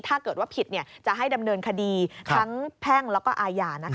ถ้าเกิดว่าผิดจะให้ดำเนินคดีทั้งแพ่งแล้วก็อาญา